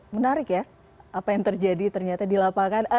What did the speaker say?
menarik ya apa yang terjadi ternyata di lapangan